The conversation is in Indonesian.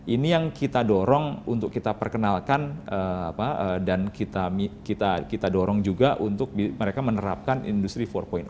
ini yang kita dorong untuk kita perkenalkan dan kita dorong juga untuk mereka menerapkan industri empat